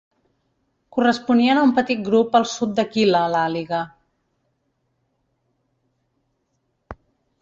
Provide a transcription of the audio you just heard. Corresponien a un petit grup al sud d'Aquila, l'àliga